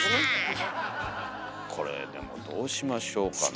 これでもどうしましょうかねえ。